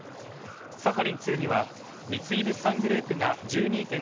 サハリン２には三井物産グループが１２．５％